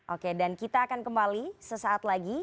oke dan kita akan kembali sesaat lagi